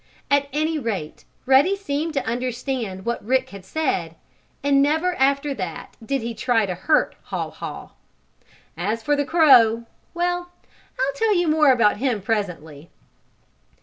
At any rate Ruddy seemed to understand what Rick had said, and never after that did he try to hurt Haw Haw. As for the crow well, I'll tell you more about him presently.